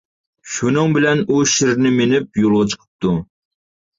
شۇنىڭ بىلەن، ئۇ شىرنى مىنىپ يولغا چىقىپتۇ.